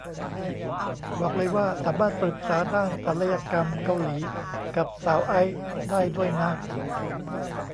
บอกเลยว่าสามารถปรึกษาด้านศัลยกรรมเกาหลีกับสาวไอซ์ได้ด้วยนะ